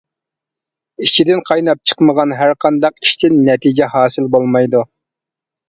ئىچىدىن قايناپ چىقمىغان ھەرقانداق ئىشتىن نەتىجە ھاسىل بولمايدۇ.